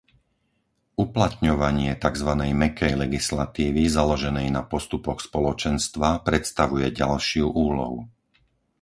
Uplatňovanie takzvanej mäkkej legislatívy založenej na postupoch Spoločenstva predstavuje ďalšiu úlohu.